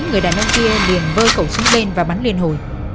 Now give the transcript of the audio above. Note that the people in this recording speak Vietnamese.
người đàn ông kia liền vơi khẩu súng bên và bắn liên hồi